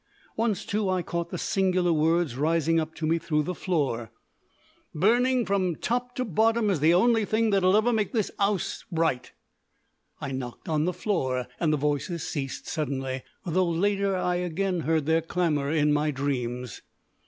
Once, too, I caught the singular words rising up to me through the floor, "Burning from top to bottom is the only thing that'll ever make this 'ouse right." I knocked on the floor, and the voices ceased suddenly, though later I again heard their clamour in my dreams.